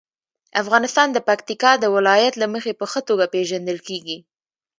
افغانستان د پکتیکا د ولایت له مخې په ښه توګه پېژندل کېږي.